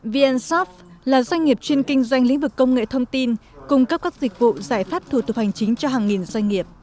vn shop là doanh nghiệp chuyên kinh doanh lĩnh vực công nghệ thông tin cung cấp các dịch vụ giải pháp thủ tục hành chính cho hàng nghìn doanh nghiệp